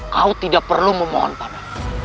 kau tidak perlu memohon pada